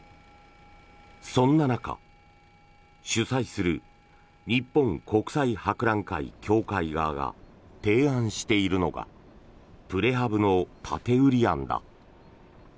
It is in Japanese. そんな中、主催する日本国際博覧会協会側が提案しているのがプレハブの建て売り案だ。